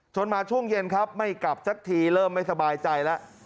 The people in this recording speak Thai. มาช่วงเย็นครับไม่กลับสักทีเริ่มไม่สบายใจแล้ว